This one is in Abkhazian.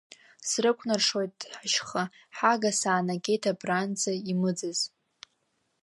Срыкәнаршоит ҳашьха, ҳага, саанагеит абранӡа имыӡыз.